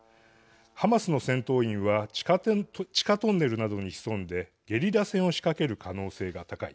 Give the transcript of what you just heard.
ハマスの戦闘員は地下トンネルなどに潜んでゲリラ戦を仕掛ける可能性が高い。